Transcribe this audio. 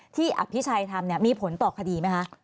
ที่อัพพิชัยทำเนี่ยมีผลต่อคดีไหมคะ